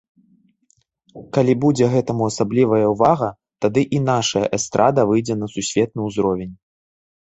Калі будзе гэтаму асаблівая ўвага, тады і нашая эстрада выйдзе на сусветны ўзровень.